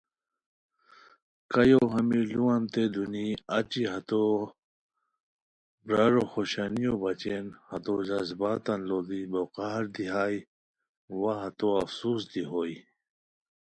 کایو ہمی لُووانتین دونی اچی ہتو برارو خوشانیو بچین ہتو جذباتان لوڑی ہو قہر دی ہائے وا ہتو افسوس دی ہوئے